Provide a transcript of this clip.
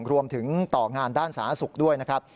รวมถึงต่องานด้านสาธารณสุขด้วยนะครับ